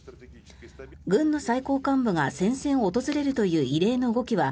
軍の最高幹部が戦線を訪れるという異例の動きは